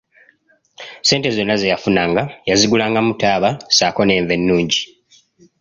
Ssente zonna ze yafunanga yazigulangamu taaba ssaako n'enva ennungi.